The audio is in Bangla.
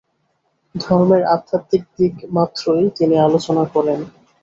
ধর্মের আধ্যাত্মিক দিক মাত্রই তিনি আলোচনা করেন।